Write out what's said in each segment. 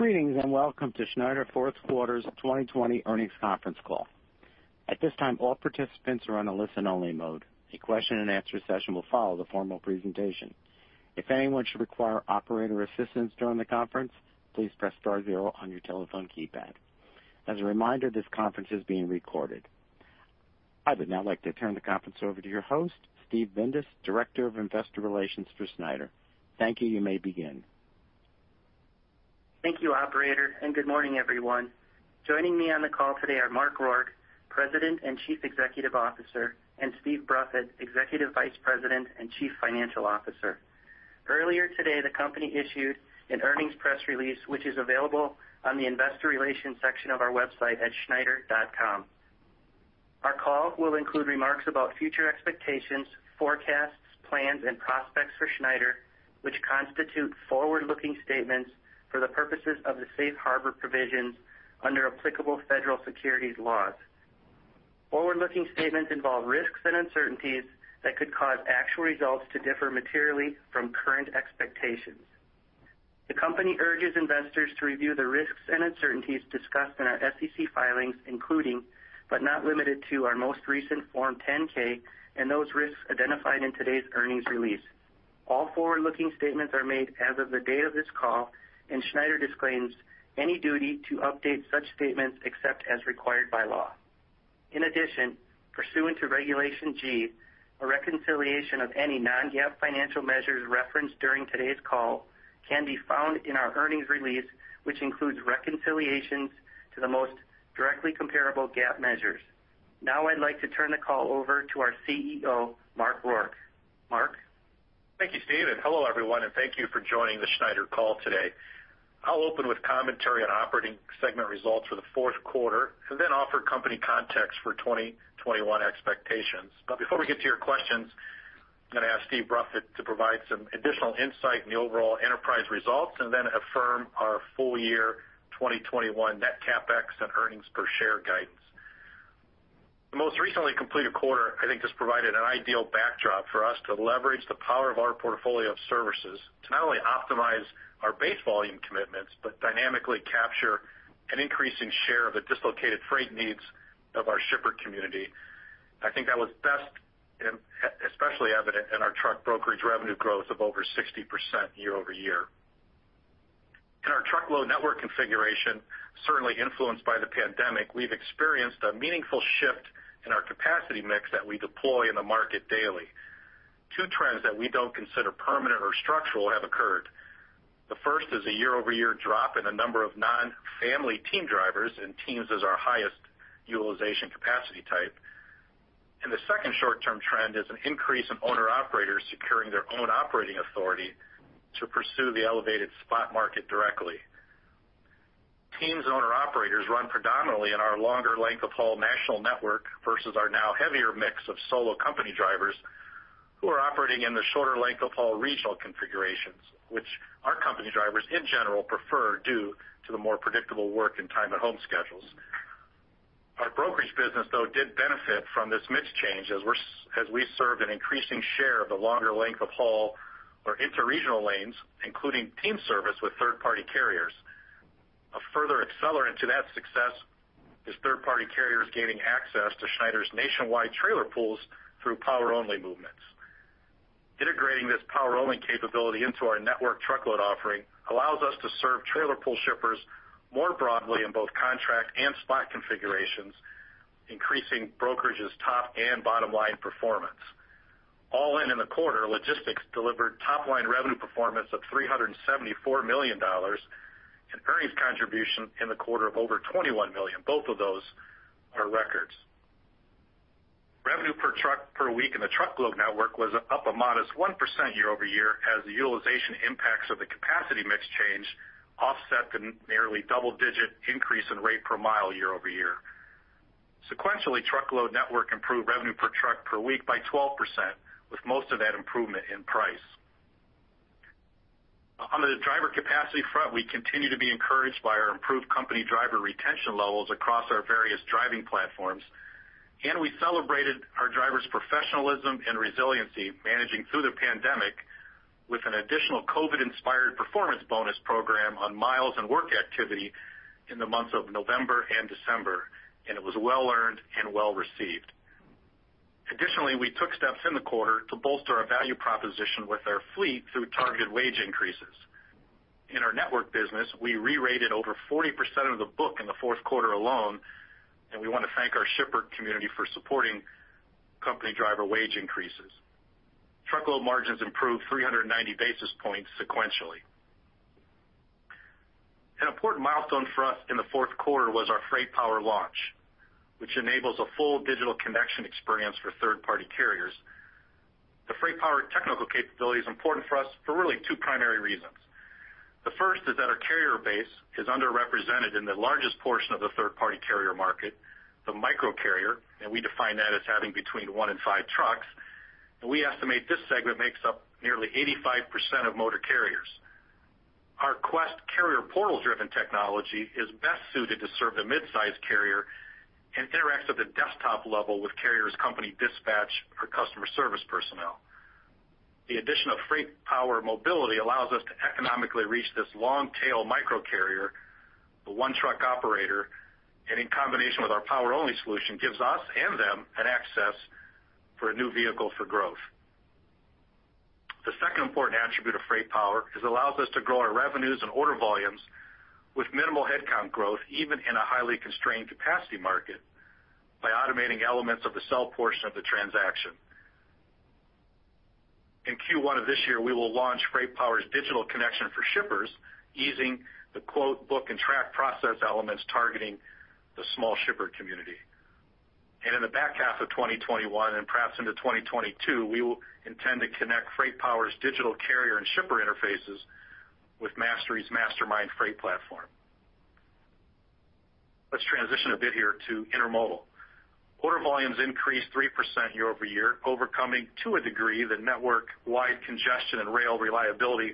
Greetings, and welcome to Schneider's fourth quarter 2020 earnings conference call. At this time, all participants are on a listen-only mode. A question-and-answer session will follow the formal presentation. If anyone should require operator assistance during the conference, please press star zero on your telephone keypad. As a reminder, this conference is being recorded. I would now like to turn the conference over to your host, Steve Bindas, Director of Investor Relations for Schneider. Thank you. You may begin. Thank you, operator, and good morning, everyone. Joining me on the call today are Mark Rourke, President and Chief Executive Officer, and Steve Bruffett, Executive Vice President and Chief Financial Officer. Earlier today, the company issued an earnings press release, which is available on the investor relations section of our website at schneider.com. Our call will include remarks about future expectations, forecasts, plans, and prospects for Schneider, which constitute forward-looking statements for the purposes of the safe harbor provisions under applicable federal securities laws. Forward-looking statements involve risks and uncertainties that could cause actual results to differ materially from current expectations. The company urges investors to review the risks and uncertainties discussed in our SEC filings, including, but not limited to, our most recent Form 10-K and those risks identified in today's earnings release. All forward-looking statements are made as of the date of this call, and Schneider disclaims any duty to update such statements except as required by law. In addition, pursuant to Regulation G, a reconciliation of any non-GAAP financial measures referenced during today's call can be found in our earnings release, which includes reconciliations to the most directly comparable GAAP measures. Now I'd like to turn the call over to our CEO, Mark Rourke. Mark? Thank you, Steve, and hello, everyone, and thank you for joining the Schneider call today. I'll open with commentary on operating segment results for the fourth quarter and then offer company context for 2021 expectations. But before we get to your questions, I'm going to ask Steve Bruffett to provide some additional insight in the overall enterprise results and then affirm our full year 2021 net CapEx and earnings per share guidance. The most recently completed quarter, I think, has provided an ideal backdrop for us to leverage the power of our portfolio of services to not only optimize our base volume commitments, but dynamically capture an increasing share of the dislocated freight needs of our shipper community. I think that was best, especially evident in our truck brokerage revenue growth of over 60% year-over-year. In our truckload network configuration, certainly influenced by the pandemic, we've experienced a meaningful shift in our capacity mix that we deploy in the market daily. Two trends that we don't consider permanent or structural have occurred. The first is a year-over-year drop in the number of non-family team drivers, and teams is our highest utilization capacity type. The second short-term trend is an increase in owner-operators securing their own operating authority to pursue the elevated spot market directly. Teams and owner-operators run predominantly in our longer length of haul national network versus our now heavier mix of solo company drivers who are operating in the shorter length of haul regional configurations, which our company drivers in general prefer due to the more predictable work and time at home schedules. Our brokerage business, though, did benefit from this mix change as we served an increasing share of the longer length of haul or interregional lanes, including team service with third-party carriers. A further accelerant to that success is third-party carriers gaining access to Schneider's nationwide trailer pools through power-only movements. Integrating this power-only capability into our network truckload offering allows us to serve trailer pool shippers more broadly in both contract and spot configurations, increasing brokerage's top and bottom line performance. All in, in the quarter, logistics delivered top-line revenue performance of $374 million and earnings contribution in the quarter of over $21 million. Both of those are records. Revenue per truck per week in the truckload network was up a modest 1% year over year, as the utilization impacts of the capacity mix change offset the nearly double-digit increase in rate per mile year over year. Sequentially, truckload network improved revenue per truck per week by 12%, with most of that improvement in price. On the driver capacity front, we continue to be encouraged by our improved company driver retention levels across our various driving platforms, and we celebrated our drivers' professionalism and resiliency, managing through the pandemic with an additional COVID-inspired performance bonus program on miles and work activity in the months of November and December, and it was well earned and well received. Additionally, we took steps in the quarter to bolster our value proposition with our fleet through targeted wage increases. In our network business, we re-rated over 40% of the book in the fourth quarter alone, and we want to thank our shipper community for supporting company driver wage increases. Truckload margins improved 390 basis points sequentially. An important milestone for us in the fourth quarter was our FreightPower launch, which enables a full digital connection experience for third-party carriers. The FreightPower technical capability is important for us for really two primary reasons. The first is that our carrier base is underrepresented in the largest portion of the third-party carrier market, the micro carrier, and we define that as having between 1 and 5 trucks, and we estimate this segment makes up nearly 85% of motor carriers. Our Quest carrier portal-driven technology is best suited to serve the mid-size carrier and interacts at the desktop level with carrier's company dispatch for customer service personnel. The addition of FreightPower Mobility allows us to economically reach this long-tail microcarrier, the one truck operator, and in combination with our power-only solution, gives us and them an access for a new vehicle for growth. The second important attribute of FreightPower is it allows us to grow our revenues and order volumes with minimal headcount growth, even in a highly constrained capacity market, by automating elements of the sell portion of the transaction. In Q1 of this year, we will launch FreightPower's digital connection for shippers, easing the quote, book, and track process elements targeting the small shipper community. In the back half of 2021, and perhaps into 2022, we will intend to connect FreightPower's digital carrier and shipper interfaces with Mastery's MasterMind Freight platform. Let's transition a bit here to intermodal. Order volumes increased 3% year-over-year, overcoming, to a degree, the network-wide congestion and rail reliability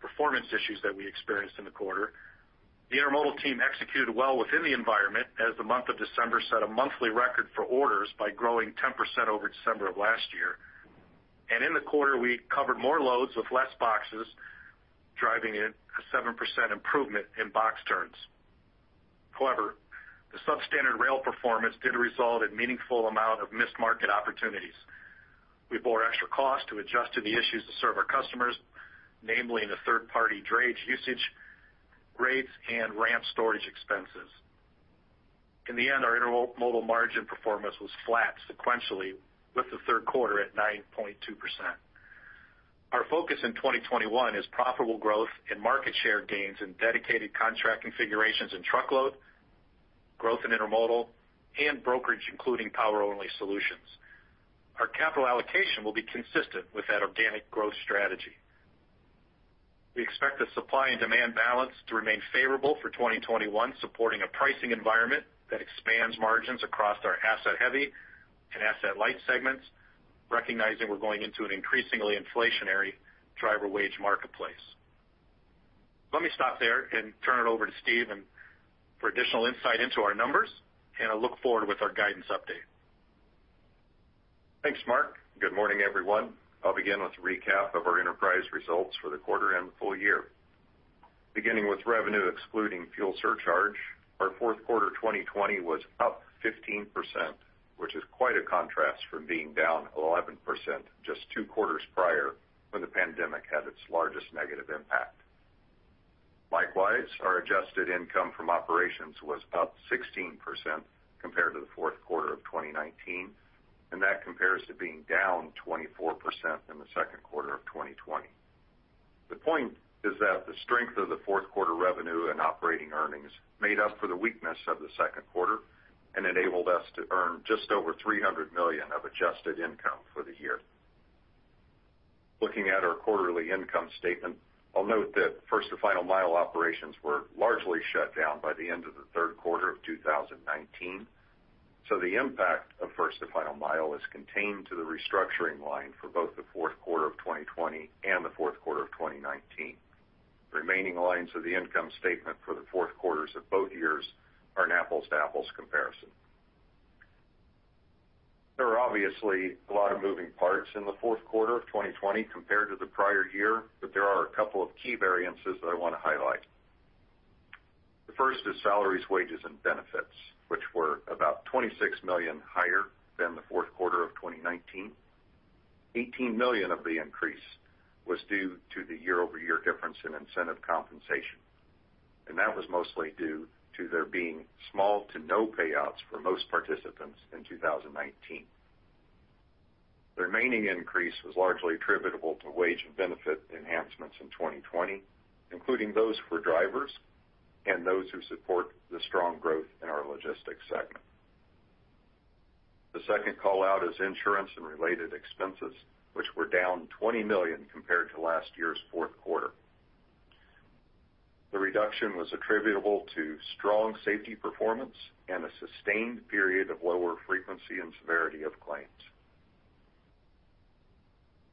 performance issues that we experienced in the quarter. The intermodal team executed well within the environment as the month of December set a monthly record for orders by growing 10% over December of last year. In the quarter, we covered more loads with less boxes, driving in a 7% improvement in box turns. However, the substandard rail performance did result in meaningful amount of missed market opportunities. We bore extra costs to adjust to the issues to serve our customers, namely in the third-party drayage usage rates and ramp storage expenses. In the end, our intermodal margin performance was flat sequentially, with the third quarter at 9.2%. Our focus in 2021 is profitable growth and market share gains in Dedicated contract configurations in Truckload, growth in Intermodal, and Brokerage, including power-only solutions. Our capital allocation will be consistent with that organic growth strategy. We expect the supply and demand balance to remain favorable for 2021, supporting a pricing environment that expands margins across our asset-heavy and asset-light segments, recognizing we're going into an increasingly inflationary driver wage marketplace. Let me stop there and turn it over to Steve and for additional insight into our numbers, and I look forward with our guidance update. Thanks, Mark. Good morning, everyone. I'll begin with a recap of our enterprise results for the quarter and full year. Beginning with revenue excluding fuel surcharge, our fourth quarter 2020 was up 15%, which is quite a contrast from being down 11% just two quarters prior, when the pandemic had its largest negative impact. Likewise, our adjusted income from operations was up 16% compared to the fourth quarter of 2019, and that compares to being down 24% in the second quarter of 2020. The point is that the strength of the fourth quarter revenue and operating earnings made up for the weakness of the second quarter and enabled us to earn just over $300 million of adjusted income for the year. Looking at our quarterly income statement, I'll note that First to Final Mile operations were largely shut down by the end of the third quarter of 2019, so the impact of First to Final Mile is contained to the restructuring line for both the fourth quarter of 2020 and the fourth quarter of 2019. The remaining lines of the income statement for the fourth quarters of both years are an apples to apples comparison. There are obviously a lot of moving parts in the fourth quarter of 2020 compared to the prior year, but there are a couple of key variances that I want to highlight. The first is salaries, wages, and benefits, which were about $26 million higher than the fourth quarter of 2019. $18 million of the increase was due to the year-over-year difference in incentive compensation, and that was mostly due to there being small to no payouts for most participants in 2019. The remaining increase was largely attributable to wage and benefit enhancements in 2020, including those for drivers and those who support the strong growth in our logistics segment. The second call-out is insurance and related expenses, which were down $20 million compared to last year's fourth quarter. The reduction was attributable to strong safety performance and a sustained period of lower frequency and severity of claims.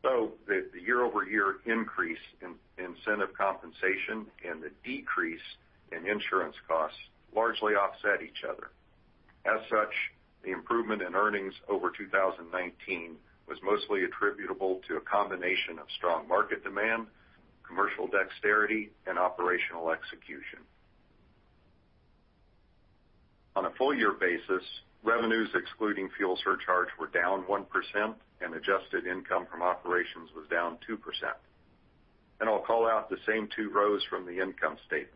So the year-over-year increase in incentive compensation and the decrease in insurance costs largely offset each other. As such, the improvement in earnings over 2019 was mostly attributable to a combination of strong market demand, commercial dexterity, and operational execution. On a full year basis, revenues excluding fuel surcharge were down 1%, and adjusted income from operations was down 2%. I'll call out the same two rows from the income statement.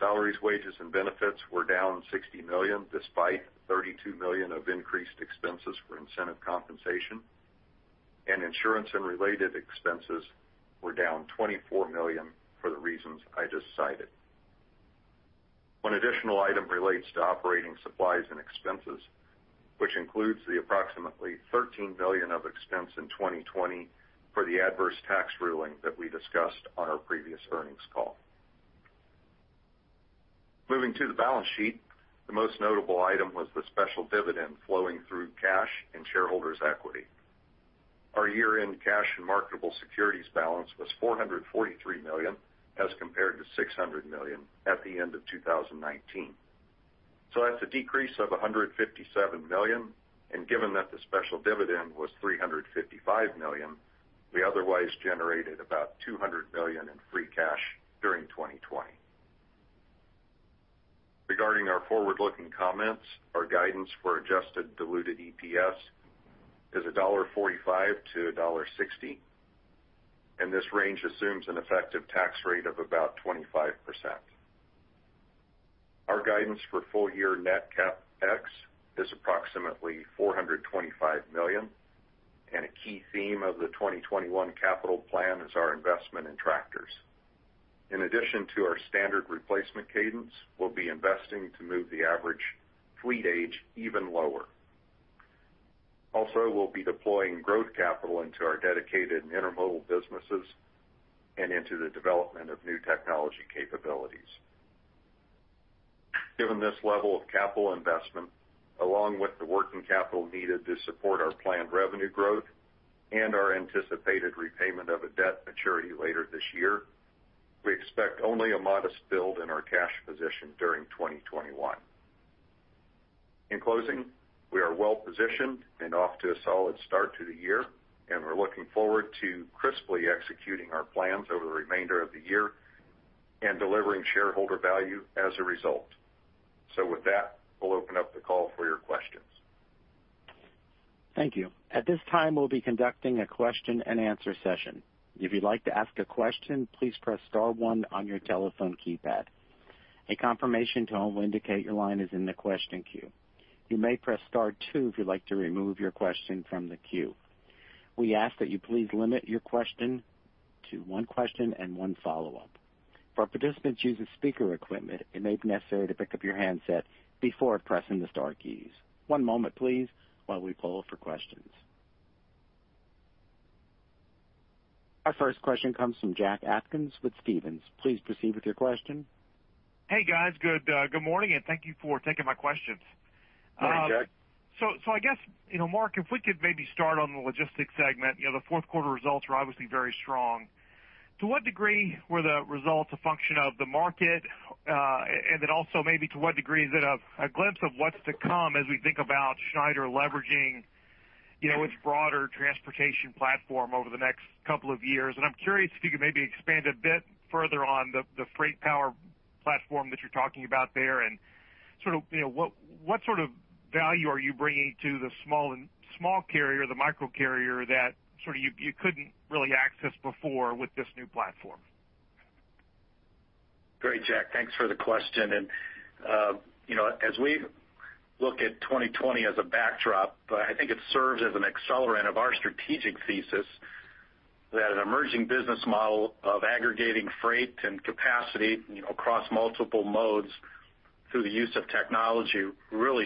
Salaries, wages, and benefits were down $60 million, despite $32 million of increased expenses for incentive compensation, and insurance and related expenses were down $24 million for the reasons I just cited. One additional item relates to operating supplies and expenses, which includes the approximately $13 million of expense in 2020 for the adverse tax ruling that we discussed on our previous earnings call. Moving to the balance sheet, the most notable item was the special dividend flowing through cash and shareholders' equity. ...Our year-end cash and marketable securities balance was $443 million, as compared to $600 million at the end of 2019. So that's a decrease of $157 million, and given that the special dividend was $355 million, we otherwise generated about $200 million in free cash during 2020. Regarding our forward-looking comments, our guidance for adjusted diluted EPS is $1.45-$1.60, and this range assumes an effective tax rate of about 25%. Our guidance for full year net CapEx is approximately $425 million, and a key theme of the 2021 capital plan is our investment in tractors. In addition to our standard replacement cadence, we'll be investing to move the average fleet age even lower. Also, we'll be deploying growth capital into our dedicated intermodal businesses and into the development of new technology capabilities. Given this level of capital investment, along with the working capital needed to support our planned revenue growth and our anticipated repayment of a debt maturity later this year, we expect only a modest build in our cash position during 2021. In closing, we are well positioned and off to a solid start to the year, and we're looking forward to crisply executing our plans over the remainder of the year and delivering shareholder value as a result. With that, we'll open up the call for your questions. Thank you. At this time, we'll be conducting a question and answer session. If you'd like to ask a question, please press star one on your telephone keypad. A confirmation tone will indicate your line is in the question queue. You may press star two if you'd like to remove your question from the queue. We ask that you please limit your question to one question and one follow-up. For participants using speaker equipment, it may be necessary to pick up your handset before pressing the star keys. One moment, please, while we poll for questions. Our first question comes from Jack Atkins with Stephens. Please proceed with your question. Hey, guys. Good, good morning, and thank you for taking my questions. Good morning, Jack. So I guess, you know, Mark, if we could maybe start on the logistics segment, you know, the fourth quarter results were obviously very strong. To what degree were the results a function of the market, and then also maybe to what degree is it a glimpse of what's to come as we think about Schneider leveraging, you know, its broader transportation platform over the next couple of years? And I'm curious if you could maybe expand a bit further on the FreightPower platform that you're talking about there, and sort of, you know, what sort of value are you bringing to the small carrier, the microcarrier, that sort of you couldn't really access before with this new platform? Great, Jack. Thanks for the question. And you know, as we look at 2020 as a backdrop, but I think it serves as an accelerant of our strategic thesis, that an emerging business model of aggregating freight and capacity, you know, across multiple modes through the use of technology, really,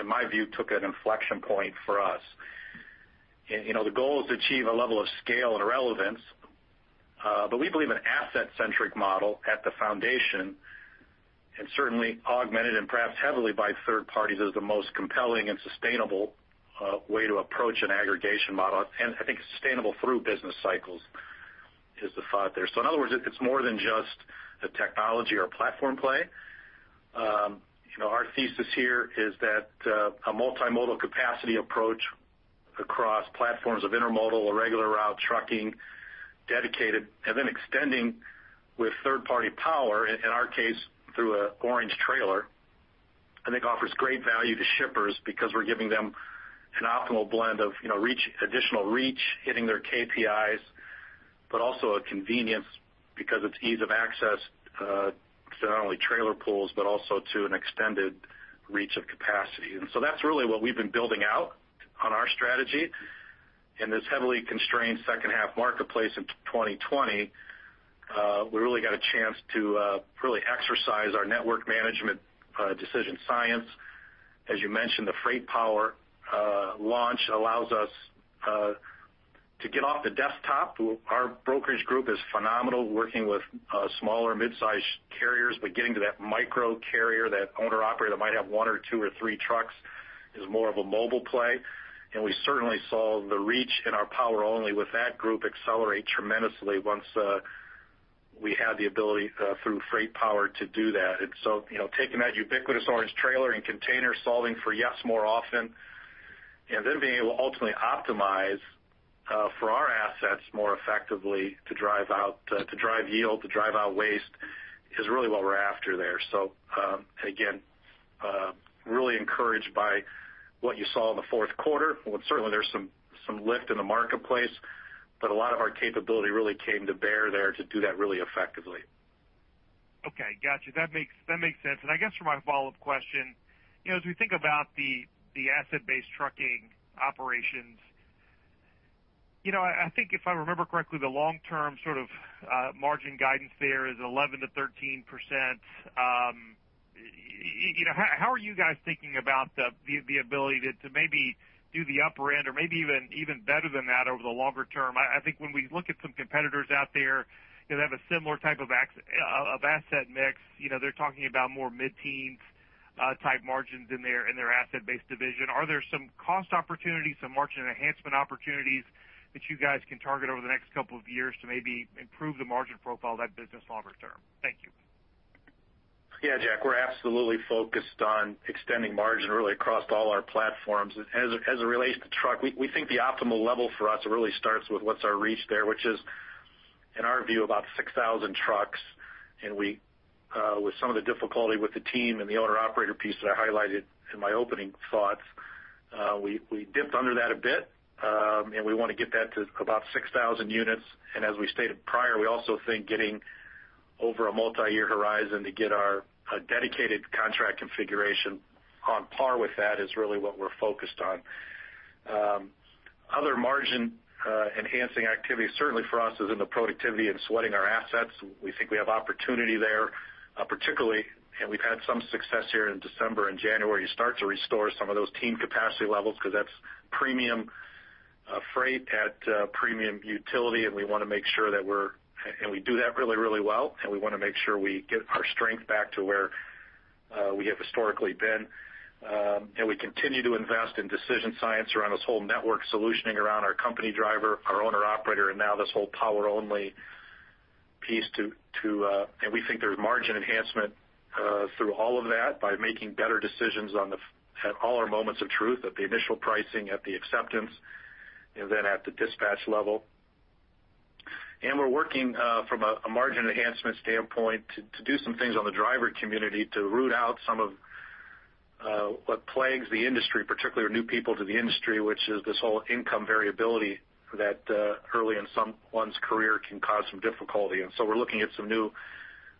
in my view, took an inflection point for us. And you know, the goal is to achieve a level of scale and relevance, but we believe an asset-centric model at the foundation, and certainly augmented and perhaps heavily by third parties, is the most compelling and sustainable way to approach an aggregation model, and I think sustainable through business cycles is the thought there. So in other words, it's more than just a technology or a platform play. You know, our thesis here is that a multimodal capacity approach across platforms of intermodal or regular route trucking, dedicated, and then extending with third-party power, in our case, through an orange trailer, I think offers great value to shippers because we're giving them an optimal blend of, you know, reach, additional reach, hitting their KPIs, but also a convenience because it's ease of access to not only trailer pools, but also to an extended reach of capacity. So that's really what we've been building out on our strategy. In this heavily constrained second half marketplace in 2020, we really got a chance to really exercise our network management, decision science. As you mentioned, the FreightPower launch allows us to get off the desktop. Our brokerage group is phenomenal, working with smaller mid-sized carriers, but getting to that micro carrier, that owner-operator that might have 1 or 2 or 3 trucks, is more of a mobile play. And we certainly saw the reach in our power only with that group accelerate tremendously once we had the ability through FreightPower to power to do that. And so, you know, taking that ubiquitous orange trailer and container, solving for yes more often, and then being able to ultimately optimize for our assets more effectively to drive out to drive yield, to drive out waste, is really what we're after there. So, again, really encouraged by what you saw in the fourth quarter. Well, certainly there's some lift in the marketplace, but a lot of our capability really came to bear there to do that really effectively. Okay, got you. That makes, that makes sense. And I guess for my follow-up question, you know, as we think about the asset-based trucking operations, you know, I think if I remember correctly, the long-term sort of margin guidance there is 11%-13%. You know, how are you guys thinking about the ability to maybe do the upper end or maybe even better than that over the longer term? I think when we look at some competitors out there that have a similar type of asset mix, you know, they're talking about more mid-teens-type margins in their asset-based division. Are there some cost opportunities, some margin enhancement opportunities that you guys can target over the next couple of years to maybe improve the margin profile of that business longer term? Thank you. Yeah, Jack, we're absolutely focused on extending margin really across all our platforms. As it relates to truck, we think the optimal level for us really starts with what's our reach there, which is, in our view, about 6,000 trucks. And with some of the difficulty with the team and the owner-operator piece that I highlighted in my opening thoughts, we dipped under that a bit, and we want to get that to about 6,000 units. And as we stated prior, we also think getting over a multiyear horizon to get our dedicated contract configuration on par with that is really what we're focused on. Other margin enhancing activities, certainly for us, is in the productivity and sweating our assets. We think we have opportunity there, particularly, and we've had some success here in December and January to start to restore some of those team capacity levels, because that's premium freight at premium utility, and we want to make sure. We do that really, really well, and we want to make sure we get our strength back to where we have historically been. We continue to invest in decision science around this whole network solutioning around our company driver, our owner operator, and now this whole power only piece to... We think there's margin enhancement through all of that by making better decisions on the, at all our moments of truth, at the initial pricing, at the acceptance, and then at the dispatch level. We're working from a margin enhancement standpoint to do some things on the driver community to root out some of what plagues the industry, particularly new people to the industry, which is this whole income variability that early in someone's career can cause some difficulty. So we're looking at some new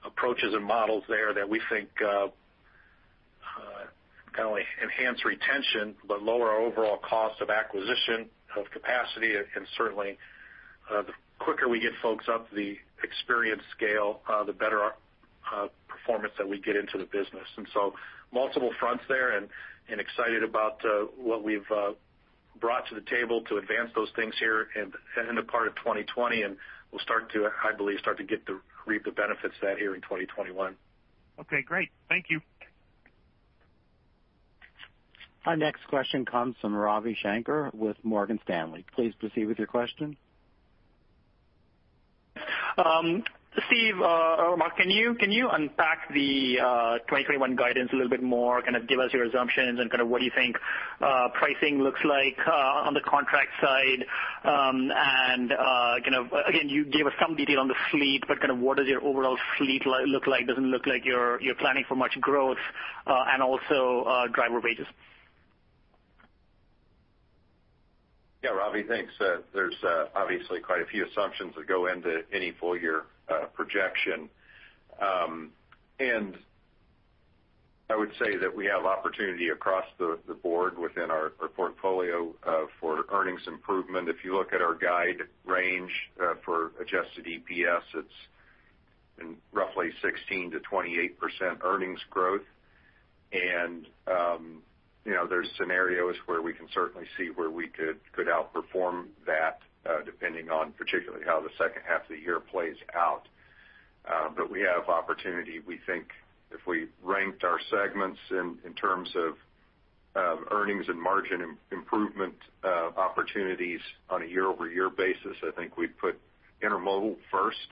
approaches and models there that we think not only enhance retention, but lower our overall cost of acquisition of capacity, and certainly the quicker we get folks up the experience scale, the better performance that we get into the business. And so multiple fronts there, and excited about what we've brought to the table to advance those things here and in the part of 2020, and we'll start to, I believe, start to get to reap the benefits of that here in 2021. Okay, great. Thank you. Our next question comes from Ravi Shanker with Morgan Stanley. Please proceed with your question. Steve, or Mark, can you, can you unpack the 2021 guidance a little bit more? Kind of give us your assumptions and kind of what do you think, pricing looks like, on the contract side? And, kind of, again, you gave us some detail on the fleet, but kind of what does your overall fleet look like? Doesn't look like you're, you're planning for much growth, and also, driver wages. Yeah, Ravi, thanks. There's obviously quite a few assumptions that go into any full year projection. And I would say that we have opportunity across the board within our portfolio for earnings improvement. If you look at our guide range for adjusted EPS, it's in roughly 16%-28% earnings growth. You know, there's scenarios where we can certainly see where we could outperform that, depending on particularly how the second half of the year plays out. But we have opportunity. We think if we ranked our segments in terms of earnings and margin improvement opportunities on a year-over-year basis, I think we'd put intermodal first,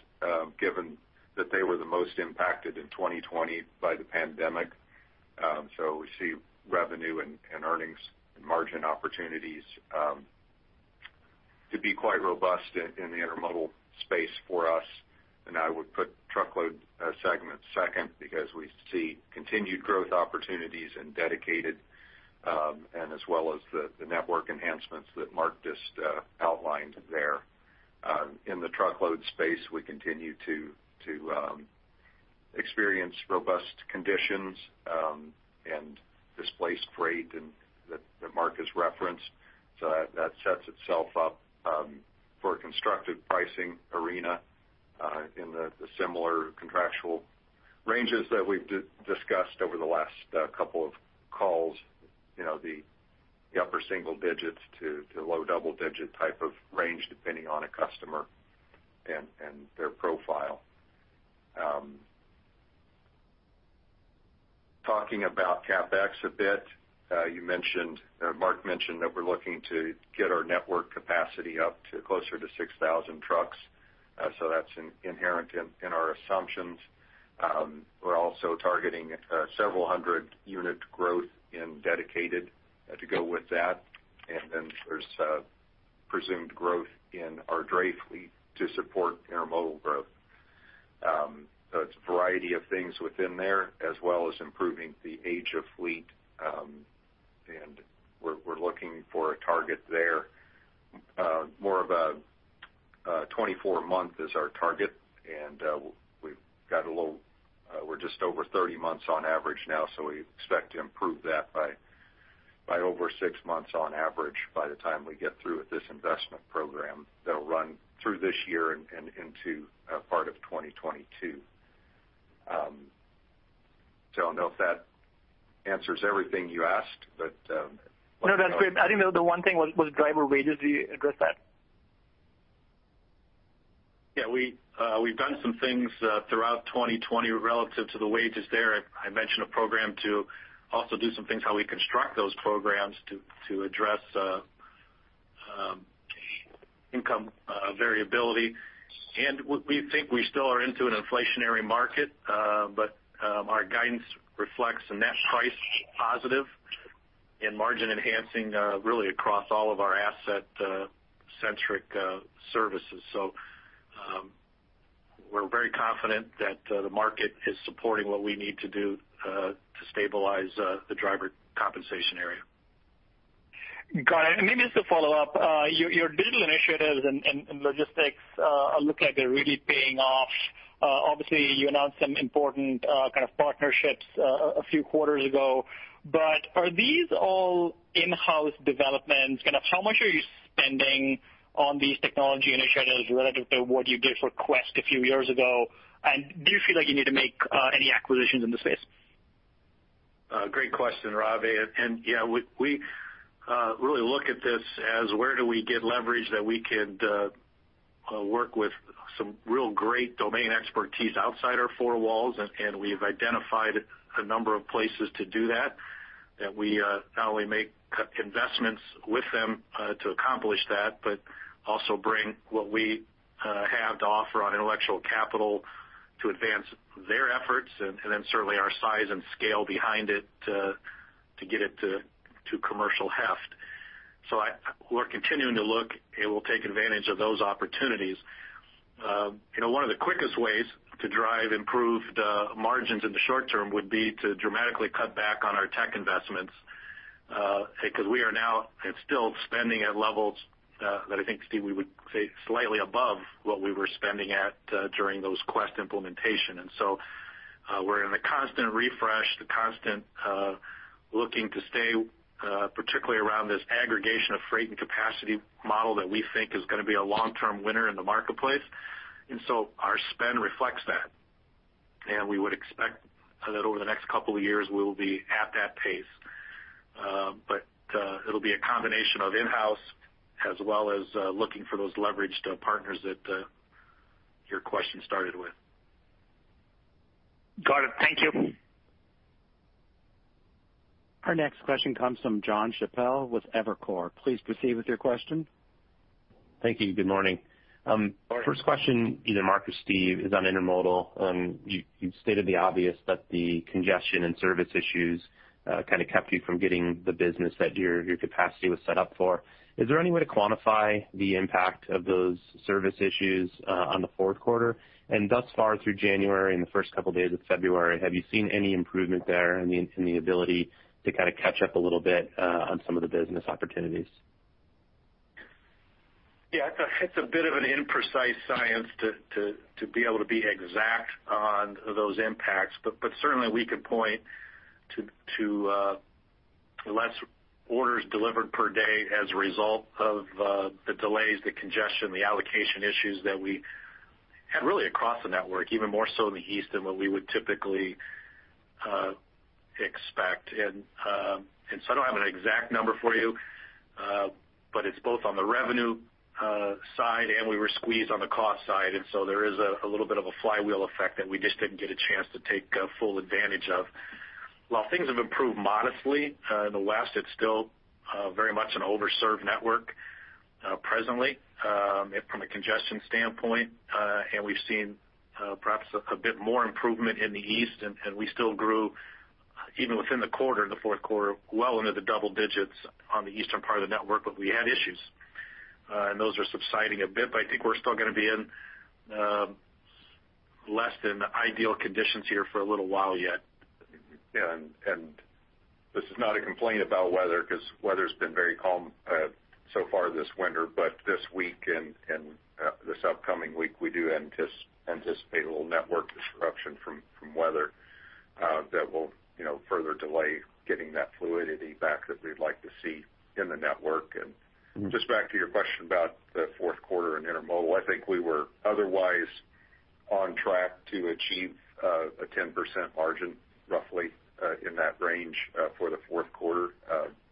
given that they were the most impacted in 2020 by the pandemic. So we see revenue and, and earnings and margin opportunities, to be quite robust in, in the intermodal space for us. And I would put truckload, segment second, because we see continued growth opportunities in dedicated, and as well as the, the network enhancements that Mark just, outlined there. In the truckload space, we continue to, experience robust conditions, and displaced freight and that, that Mark has referenced. So that, sets itself up, for a constructive pricing arena, in the, the similar contractual ranges that we've discussed over the last, couple of calls, you know, the upper single digits to, low double digit type of range, depending on a customer and, and their profile. Talking about CapEx a bit, you mentioned, or Mark mentioned that we're looking to get our network capacity up to closer to 6,000 trucks. So that's inherent in our assumptions. We're also targeting several hundred unit growth in Dedicated to go with that. And then there's a presumed growth in our dray fleet to support intermodal growth. So it's a variety of things within there, as well as improving the age of fleet, and we're looking for a target there. More of a 24-month is our target, and we've got a little, we're just over 30 months on average now, so we expect to improve that by over 6 months on average by the time we get through with this investment program that'll run through this year and into part of 2022. So I don't know if that answers everything you asked, but No, that's great. I think the one thing was, was driver wages. Did you address that?... Yeah, we, we've done some things throughout 2020 relative to the wages there. I, I mentioned a program to also do some things, how we construct those programs to, to address, income variability. And we, we think we still are into an inflationary market, but, our guidance reflects a net price positive in margin enhancing, really across all of our asset-centric services. So, we're very confident that, the market is supporting what we need to do, to stabilize, the driver compensation area. Got it. And maybe just to follow up, your digital initiatives and logistics look like they're really paying off. Obviously, you announced some important kind of partnerships a few quarters ago, but are these all in-house developments? Kind of, how much are you spending on these technology initiatives relative to what you did for Quest a few years ago? And do you feel like you need to make any acquisitions in the space? Great question, Ravi. And, yeah, we really look at this as where do we get leverage that we could work with some real great domain expertise outside our four walls, and we've identified a number of places to do that, that we not only make investments with them to accomplish that, but also bring what we have to offer on intellectual capital to advance their efforts, and then certainly our size and scale behind it to get it to commercial heft. So we're continuing to look, and we'll take advantage of those opportunities. You know, one of the quickest ways to drive improved margins in the short term would be to dramatically cut back on our tech investments, because we are now and still spending at levels that I think, Steve, we would say slightly above what we were spending at during those Quest implementation. And so, we're in a constant refresh, the constant looking to stay, particularly around this aggregation of freight and capacity model that we think is going to be a long-term winner in the marketplace. And so our spend reflects that. And we would expect that over the next couple of years, we will be at that pace. But, it'll be a combination of in-house as well as looking for those leveraged partners that your question started with. Got it. Thank you. Our next question comes from John Chappell with Evercore. Please proceed with your question. Thank you. Good morning. Good morning. First question, either Mark or Steve, is on intermodal. You've stated the obvious, that the congestion and service issues kind of kept you from getting the business that your capacity was set up for. Is there any way to quantify the impact of those service issues on the fourth quarter? And thus far, through January and the first couple of days of February, have you seen any improvement there in the ability to kind of catch up a little bit on some of the business opportunities? Yeah, it's a bit of an imprecise science to be able to be exact on those impacts. But certainly we could point to less orders delivered per day as a result of the delays, the congestion, the allocation issues that we had really across the network, even more so in the East than what we would typically expect. And so I don't have an exact number for you, but it's both on the revenue side, and we were squeezed on the cost side, and so there is a little bit of a flywheel effect that we just didn't get a chance to take full advantage of. While things have improved modestly, in the West, it's still very much an overserved network, presently, from a congestion standpoint, and we've seen, perhaps a bit more improvement in the East, and we still grew, even within the quarter, the fourth quarter, well into the double digits on the Eastern part of the network, but we had issues. And those are subsiding a bit, but I think we're still going to be in less than ideal conditions here for a little while yet. Yeah, and this is not a complaint about weather, because weather's been very calm so far this winter, but this week and this upcoming week, we do anticipate a little network disruption from weather that will, you know, further delay getting that fluidity back that we'd like to see in the network. Just back to your question about the fourth quarter and intermodal, I think we were otherwise on track to achieve a 10% margin, roughly, in that range for the fourth quarter,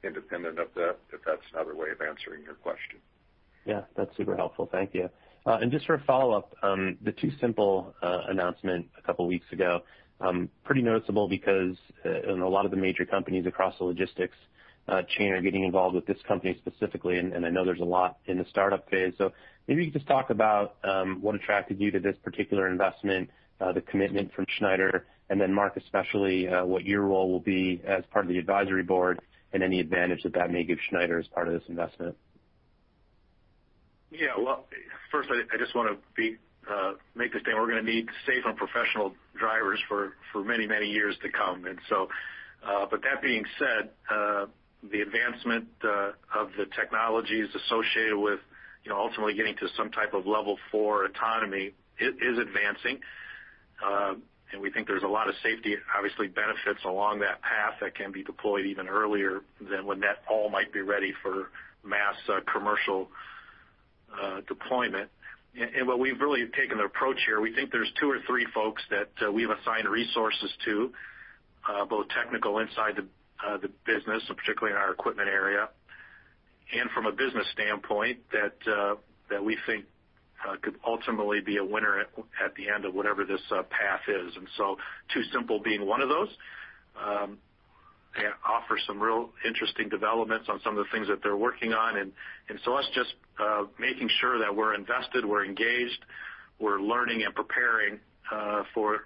independent of that, if that's another way of answering your question. Yeah, that's super helpful. Thank you. And just for a follow-up, the TuSimple announcement a couple of weeks ago, pretty noticeable because a lot of the major companies across the logistics chain are getting involved with this company specifically, and I know there's a lot in the startup phase. So maybe you could just talk about what attracted you to this particular investment, the commitment from Schneider, and then Mark, especially, what your role will be as part of the advisory board and any advantage that that may give Schneider as part of this investment. Yeah. Well, first, I just want to make this thing: we're going to need safe and professional drivers for many, many years to come. And so, but that being said, the advancement of the technologies associated with, you know, ultimately getting to some type of Level four autonomy is advancing, and we think there's a lot of safety, obviously, benefits along that path that can be deployed even earlier than when that all might be ready for mass commercial deployment. And what we've really taken an approach here, we think there's two or three folks that we've assigned resources to, both technical inside the business, and particularly in our equipment area. and from a business standpoint, that, that we think, could ultimately be a winner at, at the end of whatever this, path is. And so TuSimple being one of those, and offers some real interesting developments on some of the things that they're working on. And, and so us just, making sure that we're invested, we're engaged, we're learning and preparing, for,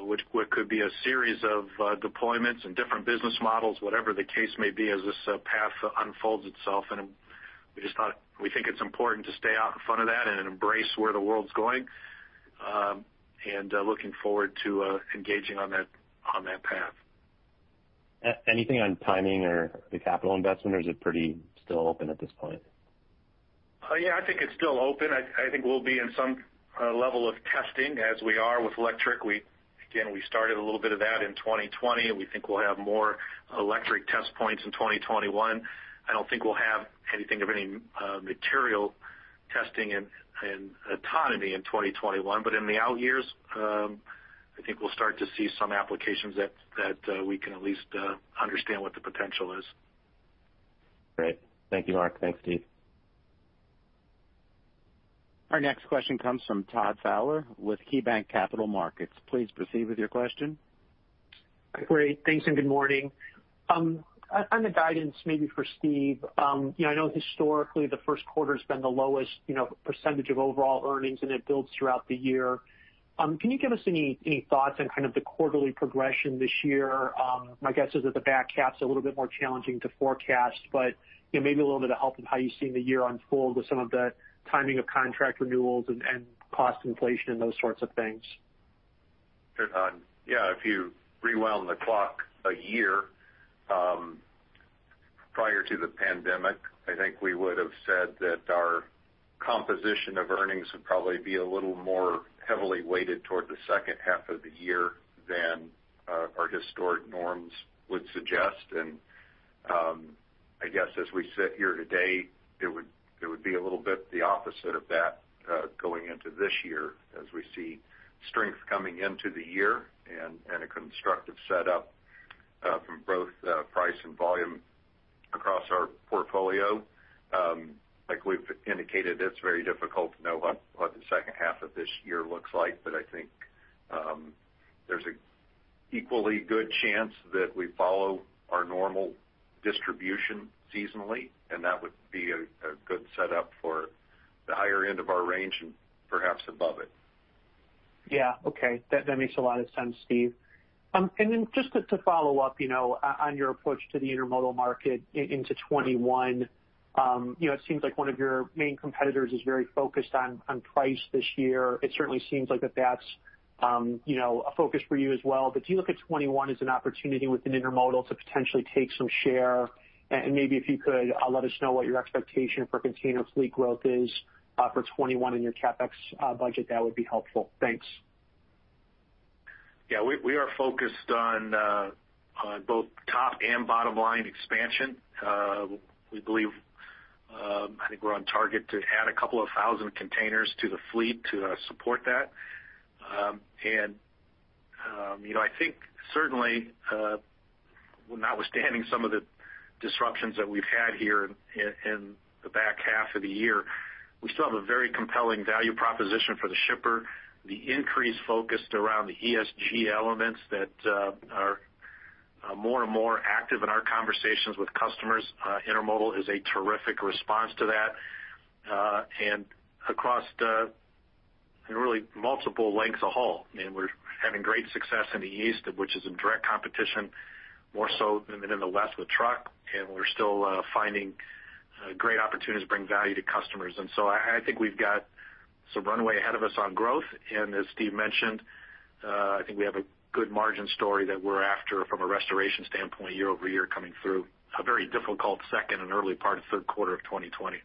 which, what could be a series of, deployments and different business models, whatever the case may be, as this, path unfolds itself. And we just thought, we think it's important to stay out in front of that and embrace where the world's going, and, looking forward to, engaging on that, on that path. Anything on timing or the capital investment, or is it pretty still open at this point? Yeah, I think it's still open. I think we'll be in some level of testing as we are with electric. Again, we started a little bit of that in 2020, and we think we'll have more electric test points in 2021. I don't think we'll have anything of any material testing and autonomy in 2021. But in the out years, I think we'll start to see some applications that we can at least understand what the potential is. Great. Thank you, Mark. Thanks, Steve. Our next question comes from Todd Fowler with KeyBanc Capital Markets. Please proceed with your question. Great. Thanks, and good morning. On the guidance, maybe for Steve, you know, I know historically, the first quarter's been the lowest, you know, percentage of overall earnings, and it builds throughout the year. Can you give us any thoughts on kind of the quarterly progression this year? My guess is that the back half's a little bit more challenging to forecast, but, you know, maybe a little bit of help in how you're seeing the year unfold with some of the timing of contract renewals and cost inflation and those sorts of things. Sure, Todd. Yeah, if you rewound the clock a year prior to the pandemic, I think we would have said that our composition of earnings would probably be a little more heavily weighted toward the second half of the year than our historic norms would suggest. And, I guess as we sit here today, it would be a little bit the opposite of that, going into this year, as we see strength coming into the year and a constructive setup from both price and volume across our portfolio. Like we've indicated, it's very difficult to know what the second half of this year looks like, but I think there's a equally good chance that we follow our normal distribution seasonally, and that would be a good setup for the higher end of our range and perhaps above it. Yeah. Okay. That makes a lot of sense, Steve. And then just to follow up, you know, on your approach to the intermodal market into 2021, you know, it seems like one of your main competitors is very focused on price this year. It certainly seems like that's a focus for you as well. But do you look at 2021 as an opportunity within intermodal to potentially take some share? And maybe if you could let us know what your expectation for container fleet growth is for 2021 in your CapEx budget, that would be helpful. Thanks. Yeah, we are focused on both top and bottom line expansion. We believe, I think we're on target to add 2,000 containers to the fleet to support that. You know, I think certainly, notwithstanding some of the disruptions that we've had here in the back half of the year, we still have a very compelling value proposition for the shipper. The increased focus around the ESG elements that are more and more active in our conversations with customers, intermodal is a terrific response to that. Across the, in really multiple lengths of haul, and we're having great success in the East, which is in direct competition, more so than in the West with truck, and we're still finding great opportunities to bring value to customers. So I think we've got some runway ahead of us on growth. As Steve mentioned, I think we have a good margin story that we're after from a restoration standpoint, year-over-year coming through a very difficult second and early part of third quarter of 2020.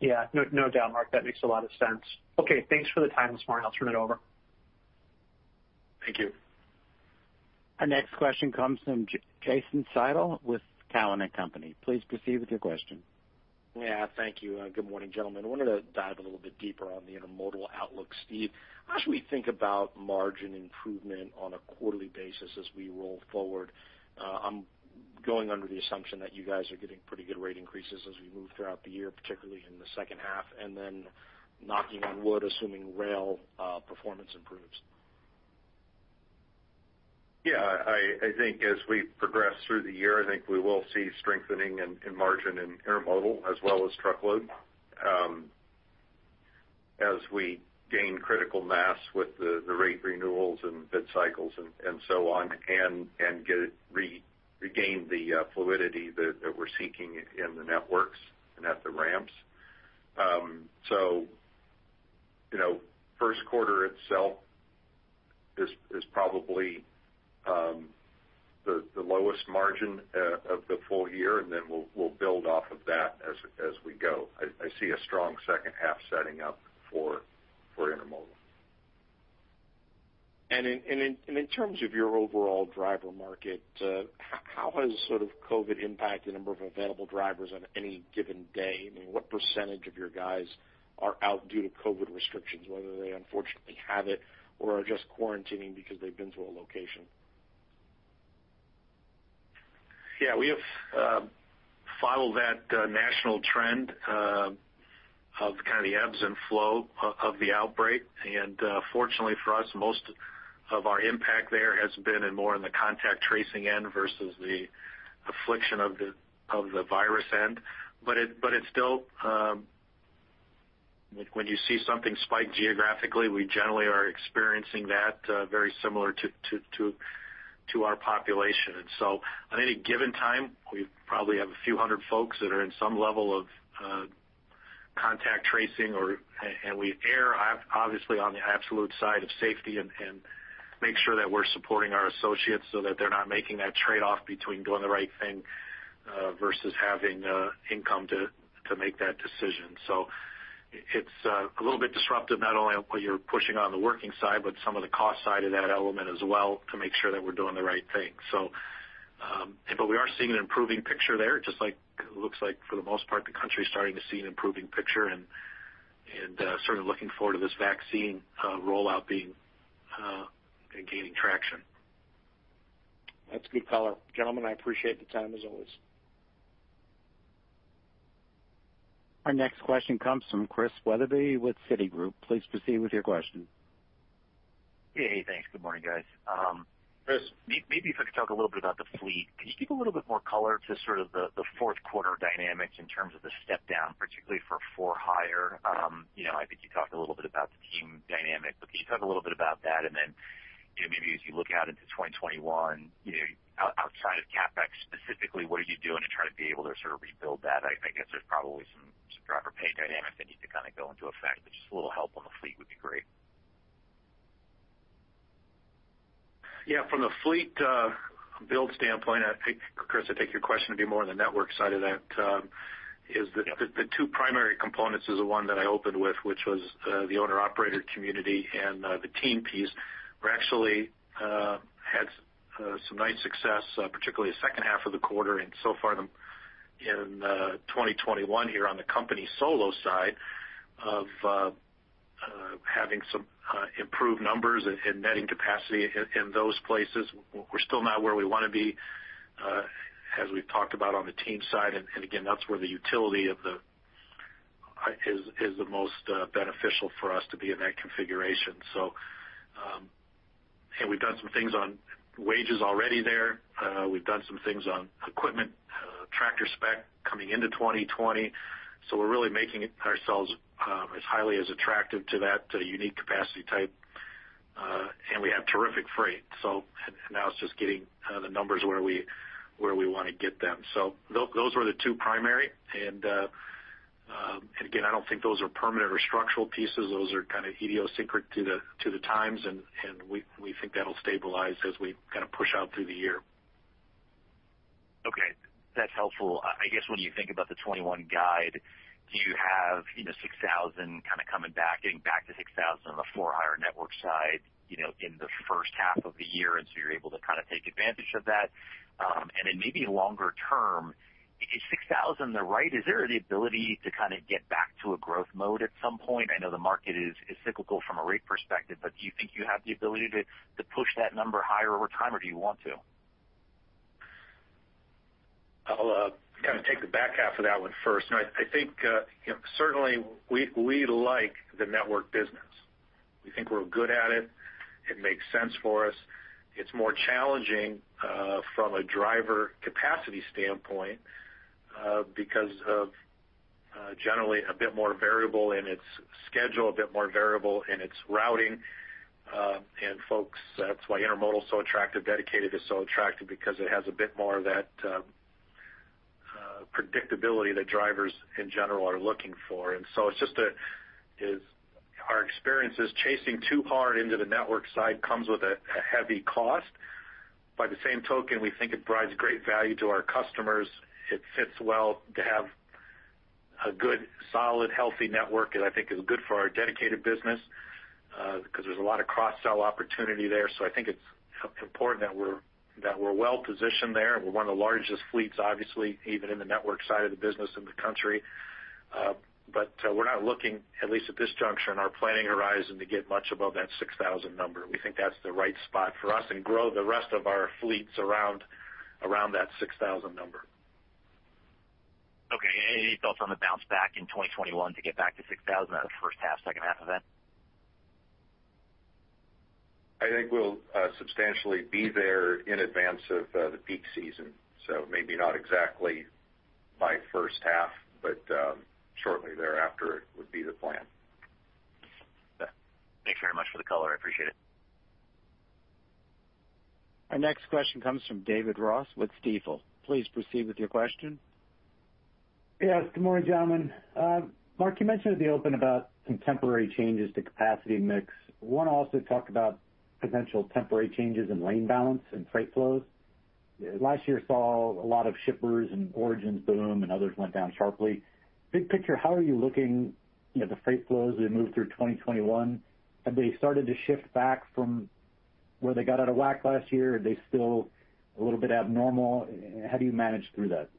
Yeah. No, no doubt, Mark. That makes a lot of sense. Okay, thanks for the time this morning. I'll turn it over. Thank you. Our next question comes from Jason Seidl with Cowen and Company. Please proceed with your question. Yeah. Thank you, and good morning, gentlemen. I wanted to dive a little bit deeper on the intermodal outlook. Steve, how should we think about margin improvement on a quarterly basis as we roll forward? I'm going under the assumption that you guys are getting pretty good rate increases as we move throughout the year, particularly in the second half, and then knocking on wood, assuming rail performance improves. Yeah, I think as we progress through the year, I think we will see strengthening in margin in intermodal as well as truckload, as we gain critical mass with the rate renewals and bid cycles and so on, and regain the fluidity that we're seeking in the networks and at the ramps. So, you know, first quarter itself is probably the lowest margin of the full year, and then we'll build off of that as we go. I see a strong second half setting up for intermodal. In terms of your overall driver market, how has sort of COVID impacted the number of available drivers on any given day? I mean, what percentage of your guys are out due to COVID restrictions, whether they unfortunately have it or are just quarantining because they've been to a location? ... Yeah, we have followed that national trend of kind of the ebbs and flow of the outbreak. And fortunately for us, most of our impact there has been in more in the contact tracing end versus the affliction of the virus end. But it, but it's still, when you see something spike geographically, we generally are experiencing that very similar to our population. And so on any given time, we probably have a few hundred folks that are in some level of contact tracing or, and we obviously on the absolute side of safety and make sure that we're supporting our associates so that they're not making that trade-off between doing the right thing versus having income to make that decision. So it's a little bit disruptive, not only what you're pushing on the working side, but some of the cost side of that element as well, to make sure that we're doing the right thing. So, but we are seeing an improving picture there, just like it looks like for the most part, the country is starting to see an improving picture and sort of looking forward to this vaccine rollout being and gaining traction. That's good color. Gentlemen, I appreciate the time, as always. Our next question comes from Chris Wetherbee with Citigroup. Please proceed with your question. Hey, thanks. Good morning, guys. Chris- Maybe if I could talk a little bit about the fleet. Could you give a little bit more color to sort of the fourth quarter dynamics in terms of the step down, particularly for for-hire? You know, I think you talked a little bit about the team dynamic, but could you talk a little bit about that? And then, you know, maybe as you look out into 2021, you know, outside of CapEx, specifically, what are you doing to try to be able to sort of rebuild that? I guess there's probably some driver pay dynamics that need to kind of go into effect, but just a little help on the fleet would be great. Yeah, from the fleet build standpoint, Chris, I take your question to be more on the network side of that, is that? Yep. The two primary components is the one that I opened with, which was the owner-operator community and the team piece. We're actually had some nice success particularly the second half of the quarter, and so far in 2021 here on the company solo side of having some improved numbers and netting capacity in those places. We're still not where we want to be as we've talked about on the team side, and again, that's where the utility of the is the most beneficial for us to be in that configuration. So and we've done some things on wages already there. We've done some things on equipment tractor spec coming into 2020. So we're really making ourselves as highly as attractive to that to the unique capacity type. And we have terrific freight, so and now it's just getting the numbers where we want to get them. So those were the two primary. And again, I don't think those are permanent or structural pieces. Those are kind of idiosyncratic to the times, and we think that'll stabilize as we kind of push out through the year. Okay, that's helpful. I guess when you think about the 2021 guide, do you have, you know, 6,000 kind of coming back, getting back to 6,000 on the for-hire network side, you know, in the first half of the year, and so you're able to kind of take advantage of that? And then maybe longer term, is 6,000 the right-- is there the ability to kind of get back to a growth mode at some point? I know the market is, is cyclical from a rate perspective, but do you think you have the ability to, to push that number higher over time, or do you want to? I'll kind of take the back half of that one first. You know, I think, you know, certainly we like the network business. We think we're good at it. It makes sense for us. It's more challenging from a driver capacity standpoint because of generally a bit more variable in its schedule, a bit more variable in its routing. And folks, that's why Intermodal is so attractive, Dedicated is so attractive because it has a bit more of that predictability that drivers in general are looking for. And so it's just. Our experience is chasing too hard into the network side comes with a heavy cost. By the same token, we think it provides great value to our customers. It fits well to have a good, solid, healthy network, and I think is good for our dedicated business, because there's a lot of cross-sell opportunity there. So I think it's important that we're, that we're well positioned there. We're one of the largest fleets, obviously, even in the network side of the business in the country. But, we're not looking, at least at this juncture in our planning horizon, to get much above that 6,000 number. We think that's the right spot for us and grow the rest of our fleets around, around that 6,000 number. Okay, any thoughts on the bounce back in 2021 to get back to 6,000, the first half, second half of that? I think we'll substantially be there in advance of the peak season, so maybe not exactly by first half, but shortly thereafter would be the plan. Thanks very much for the color. I appreciate it. Our next question comes from David Ross with Stifel. Please proceed with your question. Yes, good morning, gentlemen. Mark, you mentioned at the open about some temporary changes to capacity mix. Want to also talk about potential temporary changes in lane balance and freight flows. Last year saw a lot of shippers and origins boom, and others went down sharply. Big picture, how are you looking, you know, at the freight flows as we move through 2021? Have they started to shift back from where they got out of whack last year? Are they still a little bit abnormal? How do you manage through that? ...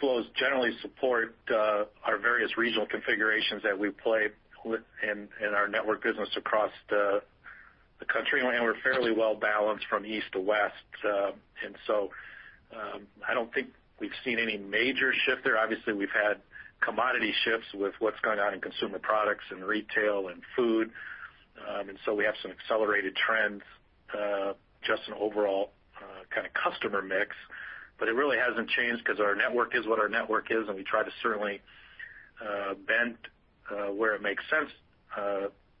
flows generally support our various regional configurations that we play with in our network business across the country, and we're fairly well balanced from east to west. And so, I don't think we've seen any major shift there. Obviously, we've had commodity shifts with what's going on in consumer products and retail and food. And so we have some accelerated trends just an overall kind of customer mix, but it really hasn't changed because our network is what our network is, and we try to certainly bend where it makes sense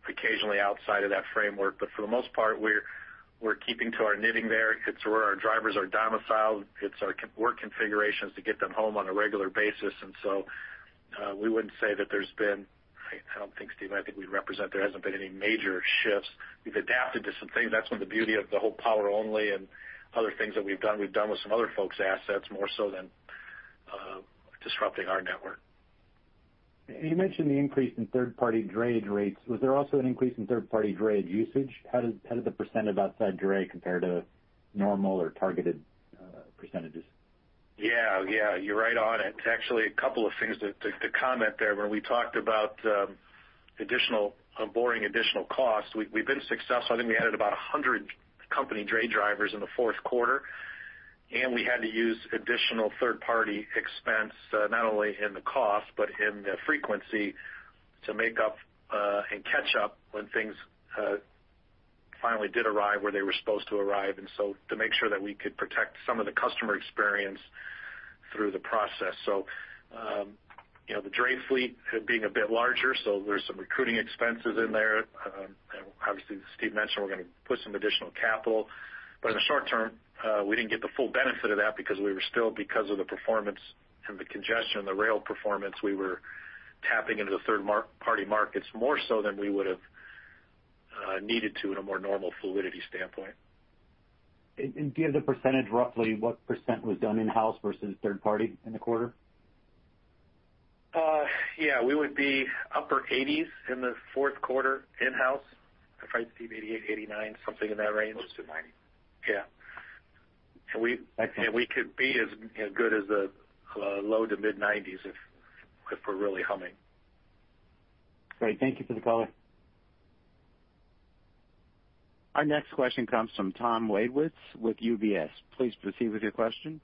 occasionally outside of that framework. But for the most part, we're keeping to our knitting there. It's where our drivers are domiciled. It's our contract work configurations to get them home on a regular basis. And so, we wouldn't say that there's been. I don't think, Steve, I think we'd represent there hasn't been any major shifts. We've adapted to some things. That's when the beauty of the whole power only and other things that we've done, we've done with some other folks' assets, more so than disrupting our network. You mentioned the increase in third-party drayage rates. Was there also an increase in third-party drayage usage? How did the percentage of outside drayage compare to normal or targeted percentages? Yeah, yeah, you're right on it. It's actually a couple of things to comment there. When we talked about additional onboarding additional costs, we've been successful. I think we added about 100 company drayage drivers in the fourth quarter, and we had to use additional third-party expense not only in the cost, but in the frequency to make up and catch up when things finally did arrive where they were supposed to arrive, and so to make sure that we could protect some of the customer experience through the process. So, you know, the dray fleet being a bit larger, so there's some recruiting expenses in there. And obviously, Steve mentioned we're going to put some additional capital. But in the short term, we didn't get the full benefit of that because we were still, because of the performance and the congestion, the rail performance, we were tapping into the third-party markets more so than we would have needed to in a more normal fluidity standpoint. Do you have the percentage, roughly, what % was done in-house versus third party in the quarter? Yeah, we would be upper 80s in the fourth quarter in-house. If right, Steve, 88, 89, something in that range. Close to 90. Yeah. And we- Excellent. We could be as, you know, good as the low- to mid-90s if we're really humming. Great. Thank you for the color. Our next question comes from Tom Wadewitz with UBS. Please proceed with your question.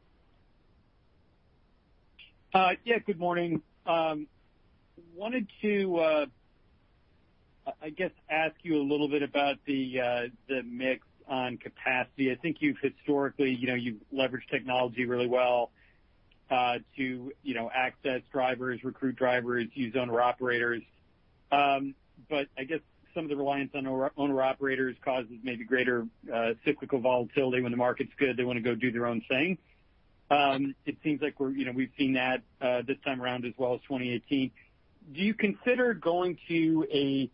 Yeah, good morning. Wanted to, I guess, ask you a little bit about the mix on capacity. I think you've historically, you know, you've leveraged technology really well, to, you know, access drivers, recruit drivers, use owner-operators. But I guess some of the reliance on owner-operators causes maybe greater cyclical volatility. When the market's good, they want to go do their own thing. It seems like we're, you know, we've seen that this time around as well as 2018. Do you consider going to a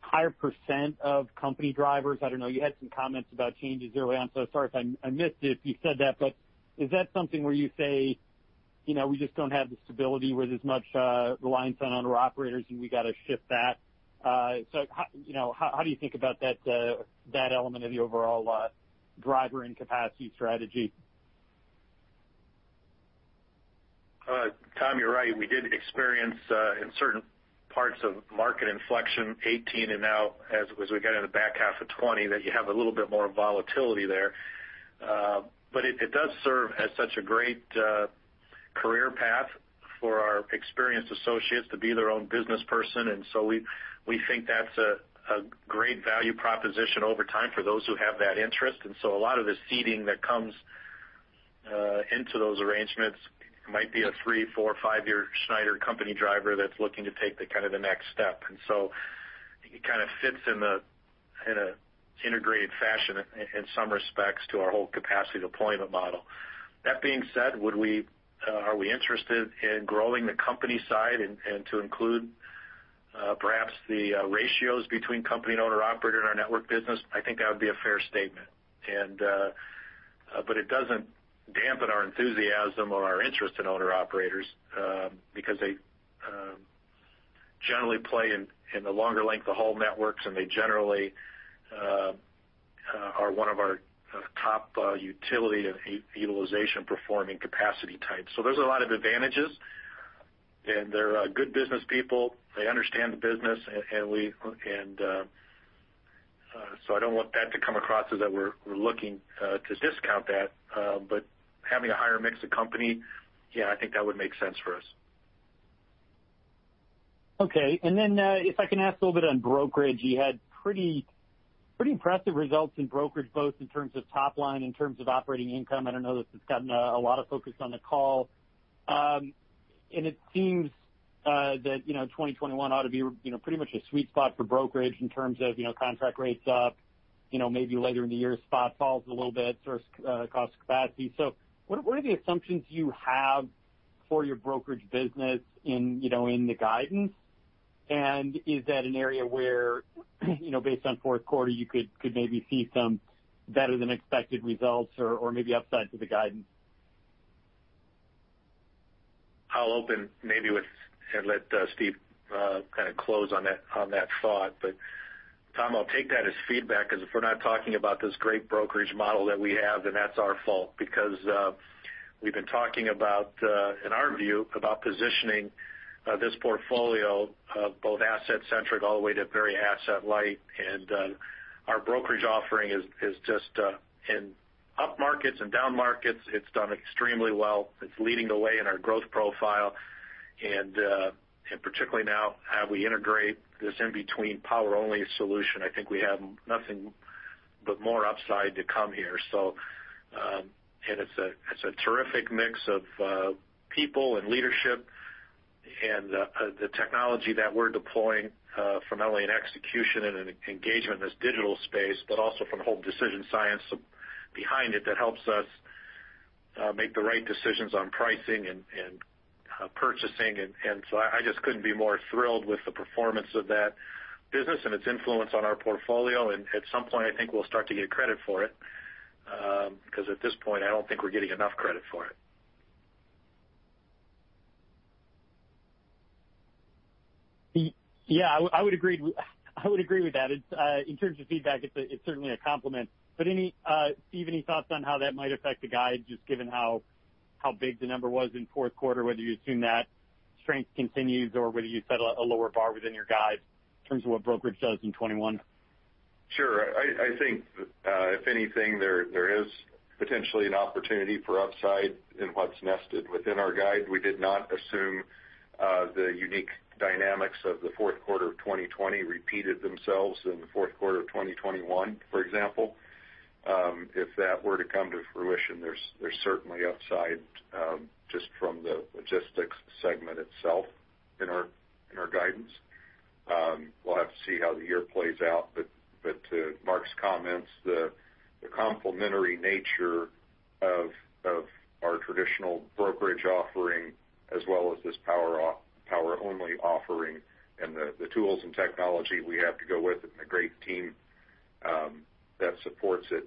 higher percent of company drivers? I don't know. You had some comments about changes early on, so sorry if I missed it, if you said that. But is that something where you say, you know, we just don't have the stability with as much reliance on owner-operators, and we got to shift that? So how, you know, how, how do you think about that, that element of the overall driver and capacity strategy? Tom, you're right. We did experience, in certain parts of market inflection, 2018 and now, as we got in the back half of 2020, that you have a little bit more volatility there. But it does serve as such a great career path for our experienced associates to be their own business person, and so we think that's a great value proposition over time for those who have that interest. And so a lot of the seeding that comes into those arrangements might be a 3-, 4-, 5-year Schneider company driver that's looking to take the kind of the next step. And so it kind of fits in a integrated fashion in some respects, to our whole capacity deployment model. That being said, would we, are we interested in growing the company side and, and to include, perhaps the, ratios between company and owner-operator in our network business? I think that would be a fair statement. And, but it doesn't dampen our enthusiasm or our interest in owner-operators, because they, generally play in, in the longer length of haul networks, and they generally, are one of our, top, utility and utilization performing capacity types. So there's a lot of advantages, and they're, good business people. They understand the business, and, and we, and, so I don't want that to come across as that we're, we're looking, to discount that, but having a higher mix of company, yeah, I think that would make sense for us. Okay. And then, if I can ask a little bit on brokerage. You had pretty, pretty impressive results in brokerage, both in terms of top line, in terms of operating income. I don't know that it's gotten a lot of focus on the call. And it seems that, you know, 2021 ought to be, you know, pretty much a sweet spot for brokerage in terms of, you know, contract rates up, you know, maybe later in the year, spot falls a little bit, so it's cost capacity. So what are the assumptions you have for your brokerage business in, you know, in the guidance? And is that an area where, you know, based on fourth quarter, you could maybe see some better-than-expected results or maybe upside to the guidance? I'll open maybe and let Steve kind of close on that, on that thought. But, Tom, I'll take that as feedback, because if we're not talking about this great brokerage model that we have, then that's our fault. Because, we've been talking about, in our view, about positioning this portfolio of both asset-centric all the way to very asset-light. And, our brokerage offering is just in up markets and down markets, it's done extremely well. It's leading the way in our growth profile, and particularly now, as we integrate this in-between power-only solution, I think we have nothing but more upside to come here. So, and it's a terrific mix of people and leadership, and the technology that we're deploying from not only in execution and in engagement in this digital space, but also from the whole decision science behind it, that helps us make the right decisions on pricing and purchasing. And so I just couldn't be more thrilled with the performance of that business and its influence on our portfolio. And at some point, I think we'll start to get credit for it, because at this point, I don't think we're getting enough credit for it. Yeah, I would agree, I would agree with that. It's, in terms of feedback, it's, it's certainly a compliment. But any, Steve, any thoughts on how that might affect the guide, just given how big the number was in fourth quarter, whether you assume that strength continues or whether you set a lower bar within your guide in terms of what brokerage does in 2021? Sure. I think, if anything, there is potentially an opportunity for upside in what's nested within our guide. We did not assume the unique dynamics of the fourth quarter of 2020 repeated themselves in the fourth quarter of 2021, for example. If that were to come to fruition, there's certainly upside just from the logistics segment itself in our guidance. We'll have to see how the year plays out, but to Mark's comments, the complementary nature of our traditional brokerage offering, as well as this power-only offering and the tools and technology we have to go with it, and a great team that supports it